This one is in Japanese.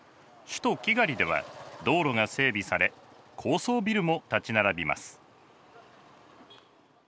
首都キガリでは道路が整備され高層ビルも建ち並びます。